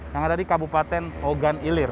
yang ada di kabupaten ogan ilir